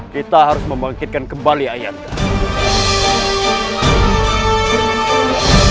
kita harus membangkitkan kembali ayatnya